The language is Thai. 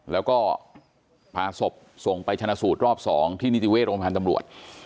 แล้วก็พาศพส่งไปชนะสูตรรอบ๒ที่นิติเวชโรงพยาบาลตำรวจ